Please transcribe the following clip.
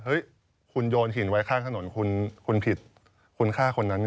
เฮ้ยคุณโยนหินไว้ข้างถนนคุณผิดคุณค่าคนนั้น